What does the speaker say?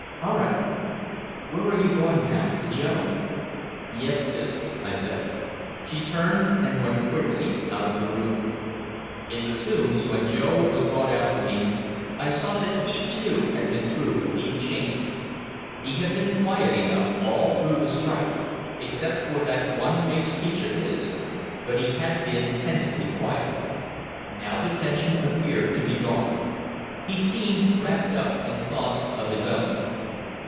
"All right where are you going now? To Joe?" "Yes, Sis," I said. She turned and went quickly out of the room. In the Tombs, when Joe was brought out to me, I saw that he, too, had been through a deep change. He had been quiet enough all through the strike, except for that one big speech of his but he had been tensely quiet. Now the tension appeared to be gone. He seemed wrapped up in thoughts of his own.